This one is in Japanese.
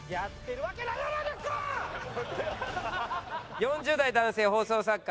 ４０代男性放送作家